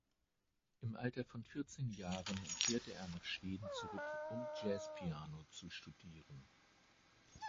Im Alter von vierzehn Jahren kehrte er nach Schweden zurück, um Jazz-Piano zu studieren.